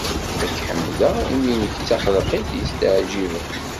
Ad k-ḥemdeɣ, imi nekk d taxelqit yesteɛǧiben.